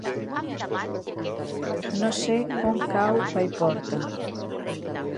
No sé on cau Paiporta.